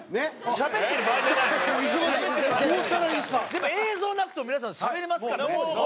でも映像なくても皆さんしゃべれますからね。